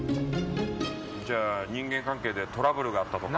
じゃあ人間関係でトラブルがあったとか。